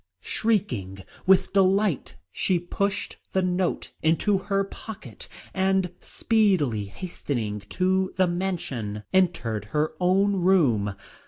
Shrieking with delight, she pushed the note into her pocket, and, speedily hastening to the mansion, entered her own room.